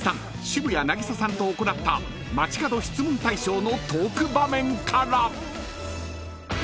渋谷凪咲さんと行った街かど質問大賞のトーク場面から］